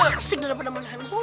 asik daripada mandiri